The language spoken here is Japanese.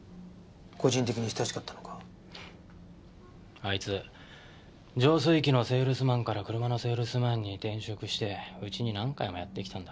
あいつ浄水器のセールスマンから車のセールスマンに転職してうちに何回もやってきたんだ。